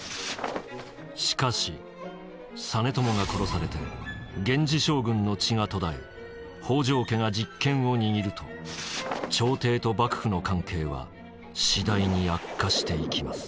しかし実朝が殺されて源氏将軍の血が途絶え北条家が実権を握ると朝廷と幕府の関係は次第に悪化していきます。